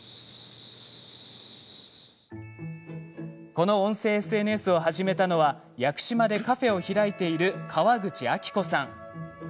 この音声ＳＮＳを始めたのは屋久島でカフェを開いている川口明子さん。